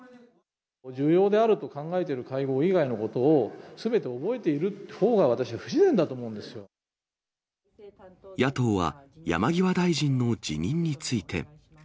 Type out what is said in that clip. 重要であると考えている会合以外のことを、すべて覚えているほうが私、野党は山際大臣の辞任について。